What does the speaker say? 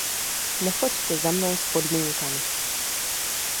Nechoďte za mnou s podmínkami!